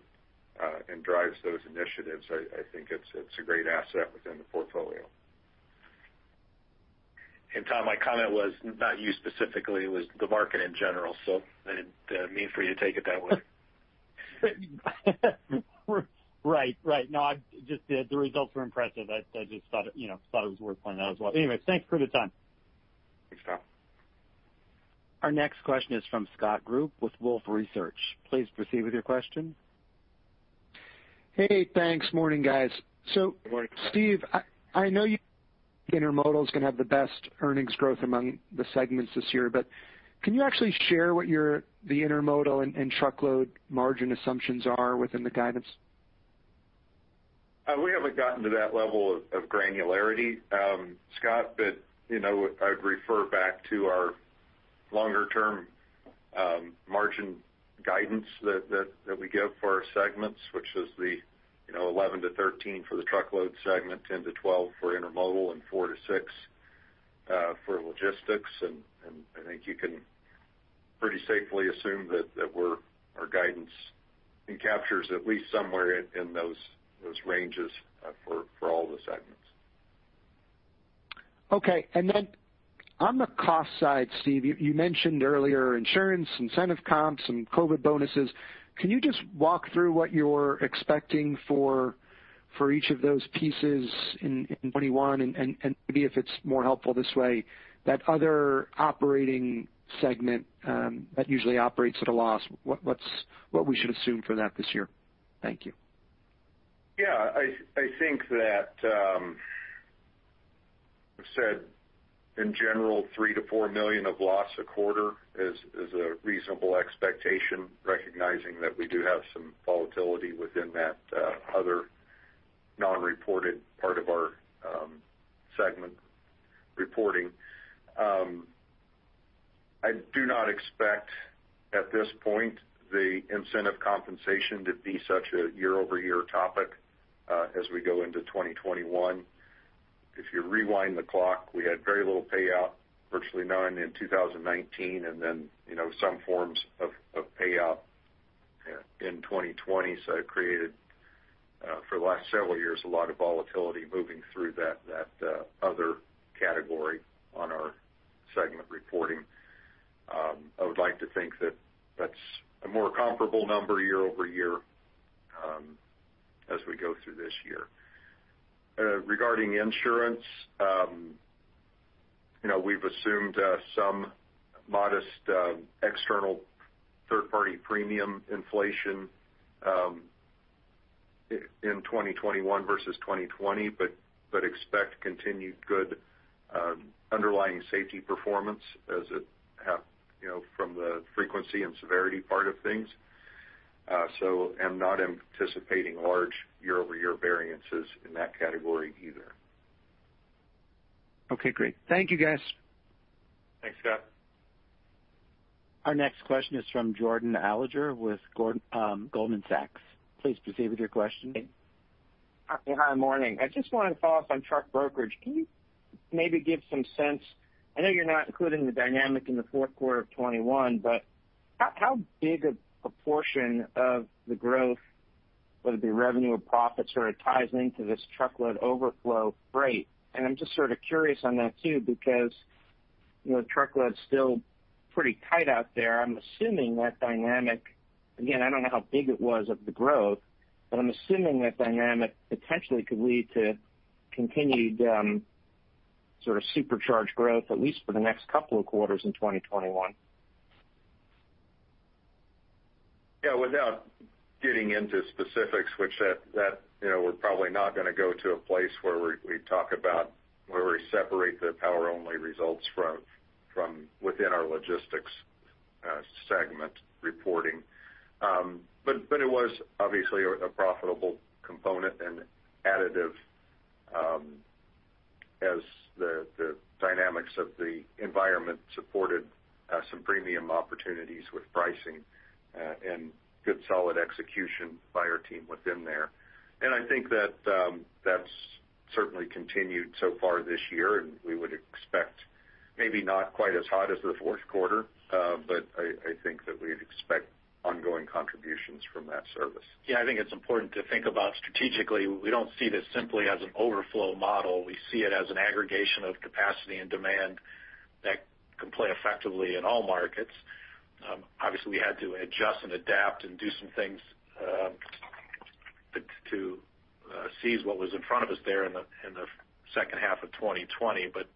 and drives those initiatives, I think it's a great asset within the portfolio. Tom, my comment was not you specifically, it was the market in general, so I didn't mean for you to take it that way. Right. Right. No, I just, the results were impressive. I just thought, you know, it was worth pointing out as well. Anyway, thanks for the time. Thanks, Tom. Our next question is from Scott Group with Wolfe Research. Please proceed with your question. Hey, thanks. Morning, guys. Good morning, Scott. So Steve, I know Intermodal is going to have the best earnings growth among the segments this year, but can you actually share what your Intermodal and Truckload margin assumptions are within the guidance? We haven't gotten to that level of granularity, Scott, but, you know, I'd refer back to our longer-term margin guidance that we give for our segments, which is the, you know, 11-13 for the Truckload segment, 10-12 for Intermodal, and 4-6 for Logistics. And I think you can pretty safely assume that we're, our guidance encapsulates at least somewhere in those ranges for all the segments. Okay. And then on the cost side, Steve, you mentioned earlier insurance, incentive comps, and COVID bonuses. Can you just walk through what you're expecting for each of those pieces in 2021? And maybe if it's more helpful this way, that other operating segment that usually operates at a loss, what we should assume for that this year? Thank you. Yeah, I, I think that we've said in general, $3 million-$4 million loss a quarter is a reasonable expectation, recognizing that we do have some volatility within that other non-reported part of our segment reporting. I do not expect, at this point, the incentive compensation to be such a year-over-year topic as we go into 2021. If you rewind the clock, we had very little payout, virtually none in 2019, and then, you know, some forms of payout in 2020. So it created, for the last several years, a lot of volatility moving through that other category on our segment reporting. I would like to think that that's a more comparable number year-over-year as we go through this year. Regarding insurance, you know, we've assumed some modest external third-party premium inflation in 2021 versus 2020, but expect continued good underlying safety performance as it have, you know, from the frequency and severity part of things. So I'm not anticipating large year-over-year variances in that category either. Okay, great. Thank you, guys. Thanks, Scott. Our next question is from Jordan Alliger with Goldman Sachs. Please proceed with your question. Hi, morning. I just want to follow up on truck brokerage. Can you maybe give some sense... I know you're not including the dynamic in the fourth quarter of 2021, but how big a proportion of the growth-... whether it be revenue or profits, or it ties into this truckload overflow freight. I'm just sort of curious on that, too, because, you know, truckload's still pretty tight out there. I'm assuming that dynamic, again, I don't know how big it was of the growth, but I'm assuming that dynamic potentially could lead to continued, sort of supercharged growth, at least for the next couple of quarters in 2021. Yeah, without getting into specifics, which, you know, we're probably not going to go to a place where we talk about where we separate the power-only results from within our logistics segment reporting. But it was obviously a profitable component and additive, as the dynamics of the environment supported some premium opportunities with pricing and good, solid execution by our team within there. And I think that that's certainly continued so far this year, and we would expect maybe not quite as hot as the fourth quarter, but I think that we'd expect ongoing contributions from that service. Yeah, I think it's important to think about strategically. We don't see this simply as an overflow model. We see it as an aggregation of capacity and demand that can play effectively in all markets. Obviously, we had to adjust and adapt and do some things to seize what was in front of us there in the second half of 2020. But,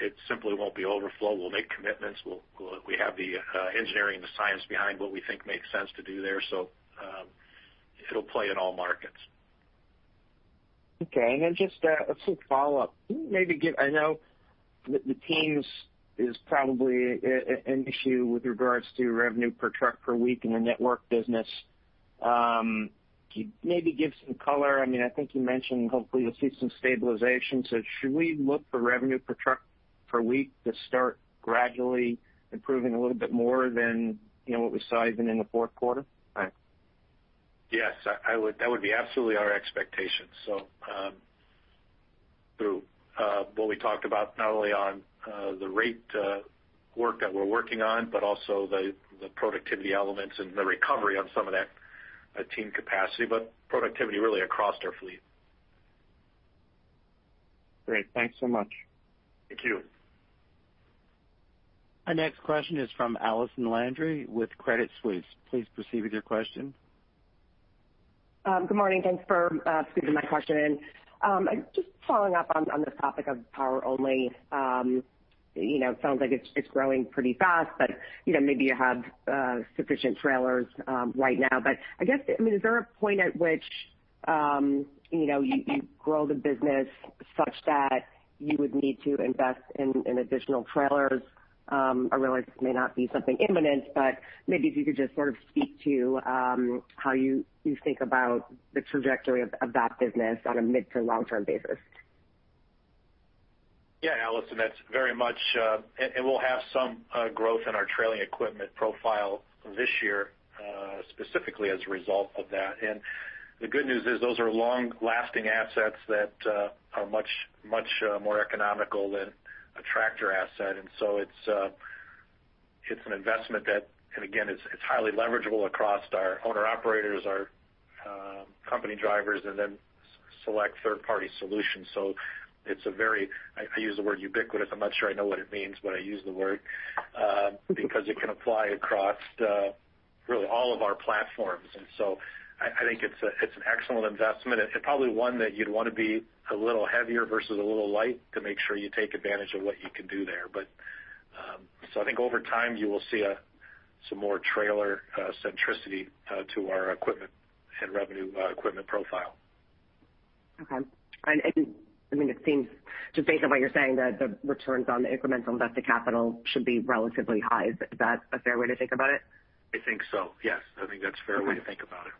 it simply won't be overflow. We'll make commitments. We have the engineering and the science behind what we think makes sense to do there, so, it'll play in all markets. Okay. And then just a quick follow-up. Can you maybe give... I know the teams is probably an issue with regards to revenue per truck per week in the network business. Can you maybe give some color? I mean, I think you mentioned hopefully you'll see some stabilization. So should we look for revenue per truck per week to start gradually improving a little bit more than, you know, what we saw even in the fourth quarter? Thanks. Yes, I would, that would be absolutely our expectation. So, through what we talked about, not only on the rate work that we're working on, but also the productivity elements and the recovery on some of that team capacity, but productivity really across our fleet. Great. Thanks so much. Thank you. Our next question is from Allison Landry with Credit Suisse. Please proceed with your question. Good morning, thanks for squeezing my question in. Just following up on the topic of power only. You know, it sounds like it's growing pretty fast, but you know, maybe you have sufficient trailers right now. But I guess, I mean, is there a point at which you know, you grow the business such that you would need to invest in additional trailers? I realize this may not be something imminent, but maybe if you could just sort of speak to how you think about the trajectory of that business on a mid to long-term basis. Yeah, Allison, that's very much. And we'll have some growth in our trailing equipment profile this year, specifically as a result of that. And the good news is those are long-lasting assets that are much, much more economical than a tractor asset. And so it's an investment that, and again, it's highly leverageable across our owner-operators, our company drivers, and then select third-party solutions. So it's a very. I use the word ubiquitous. I'm not sure I know what it means, but I use the word because it can apply across really all of our platforms. And so I think it's an excellent investment. Probably one that you'd want to be a little heavier versus a little light to make sure you take advantage of what you can do there. But, so I think over time, you will see a, some more trailer centricity to our equipment and revenue equipment profile. Okay. And, I mean, it seems, just based on what you're saying, that the returns on the incremental invested capital should be relatively high. Is that a fair way to think about it? I think so, yes. I think that's a fair way to think about it.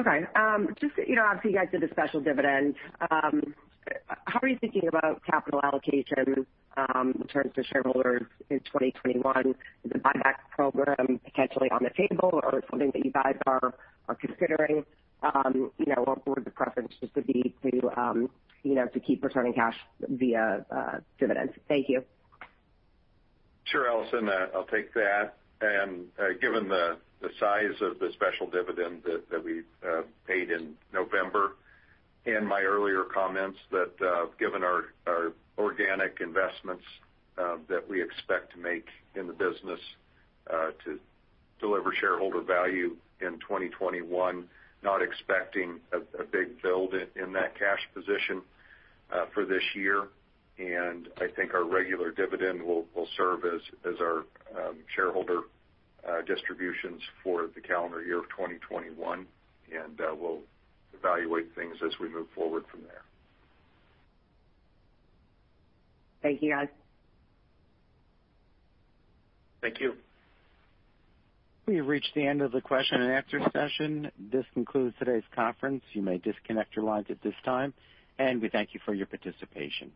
Okay. Just, you know, obviously, you guys did a special dividend. How are you thinking about capital allocation in terms of shareholders in 2021? Is the buyback program potentially on the table or something that you guys are considering? You know, or would the preference just to be to keep returning cash via dividends? Thank you. Sure, Allison, I'll take that. Given the size of the special dividend that we paid in November, and my earlier comments that, given our organic investments, that we expect to make in the business, to deliver shareholder value in 2021, not expecting a big build in that cash position for this year. I think our regular dividend will serve as our shareholder distributions for the calendar year of 2021, and we'll evaluate things as we move forward from there. Thank you, guys. Thank you. We have reached the end of the question and answer session. This concludes today's conference. You may disconnect your lines at this time, and we thank you for your participation.